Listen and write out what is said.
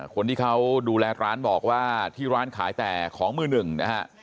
คนที่เขาดูแลร้านบอกว่าที่ร้านขายแต่ของมือหนึ่งนะฮะ